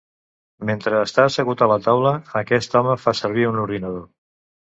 Mentre està assegut a la taula, aquest home fa servir un ordinador.